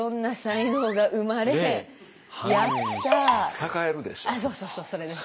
栄えるでしょ？